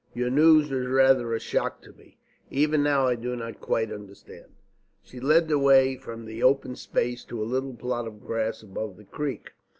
Your news was rather a shock to me. Even now I do not quite understand." She led the way from that open space to a little plot of grass above the creek.